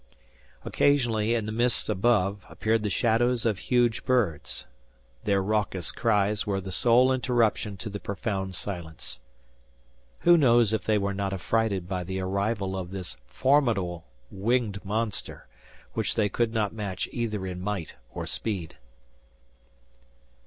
Occasionally, in the mists above, appeared the shadows of huge birds. Their raucous cries were the sole interruption to the profound silence. Who knows if they were not affrighted by the arrival of this formidable, winged monster, which they could not match either in might or speed.